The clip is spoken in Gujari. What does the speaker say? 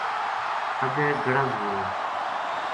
اگے گڑز ہویو